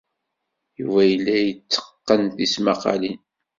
Yuba yella yetteqqen tismaqqalin.